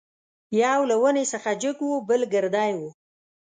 یو له ونې څخه جګ وو بل ګردی وو.